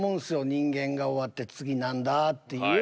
人間が終わって次何だ？っていう。